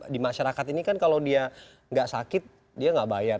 di masyarakat ini kan kalau dia nggak sakit dia nggak bayar